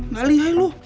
gak lihai lo